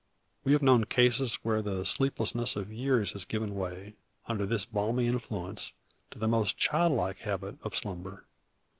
We have known cases where the sleeplessness of years has given way, under this balmy influence, to the most childlike habit of slumber.